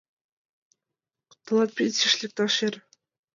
— Тылат пенсийыш лекташ эр.